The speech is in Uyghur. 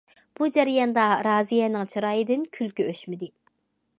بۇ جەرياندا رازىيەنىڭ چىرايىدىن كۈلكە ئۆچمىدى.